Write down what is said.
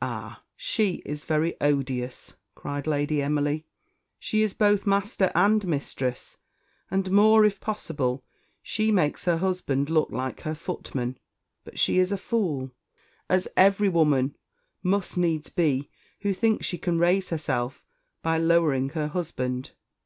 "Ah, she is very odious," cried Lady Emily; "she is both master and mistress, and more if possible she makes her husband look like her footman; but she is a fool, as every woman must needs be who thinks she can raise herself by lowering her husband.